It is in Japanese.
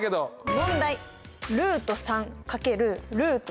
問題！